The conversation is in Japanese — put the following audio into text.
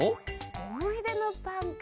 おもいでのパンか。